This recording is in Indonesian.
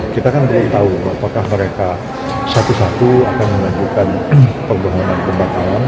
kita kan belum tahu apakah mereka satu satu akan melakukan pembangunan pembatalan